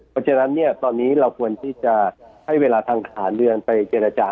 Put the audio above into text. เพราะฉะนั้นเนี่ยตอนนี้เราควรที่จะให้เวลาทางทหารเรือนไปเจรจา